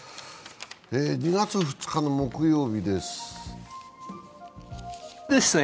２月２日の木曜日です。